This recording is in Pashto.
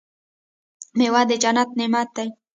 میوه د جنت نعمت دی.